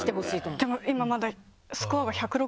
でも今まだ。